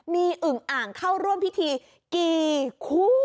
มีอึ่งอ่างเข้าร่วมพิธีกี่คู่